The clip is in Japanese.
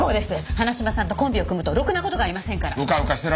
花島さんとコンビを組むとろくな事がありませんから。